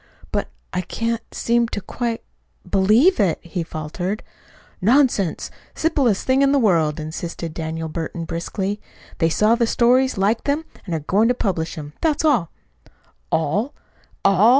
"But I can't seem to quite believe it," he faltered. "Nonsense! Simplest thing in the world," insisted Daniel Burton brusquely. "They saw the stories, liked them, and are going to publish them. That's all." "All! ALL!"